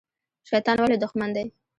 شیطان ولې دښمن دی؟